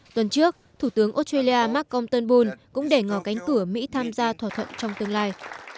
tuần trước thủ tướng australia mark compton boone cũng để ngò cánh cửa mỹ tham gia thỏa thuận trong tương lai